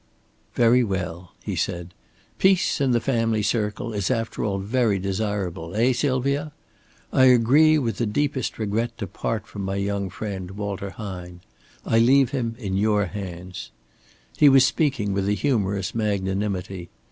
"Very well," he said. "Peace in the family circle is after all very desirable eh, Sylvia? I agree with the deepest regret to part from my young friend, Walter Hine. I leave him in your hands." He was speaking with a humorous magnanimity.